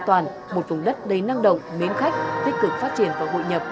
an toàn một vùng đất đầy năng động mến khách tích cực phát triển và hội nhập